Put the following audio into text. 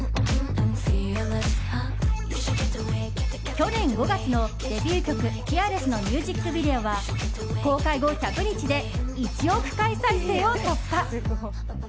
去年５月のデビュー曲「ＦＥＡＲＬＥＳＳ」のミュージックビデオは公開後１００日で１億回再生を突破。